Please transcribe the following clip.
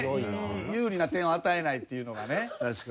有利な点を与えないっていうのがね。